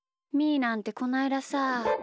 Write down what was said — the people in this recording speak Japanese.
ーなんてこないださ。